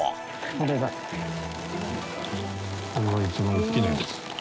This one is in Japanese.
これが１番大きなやつ。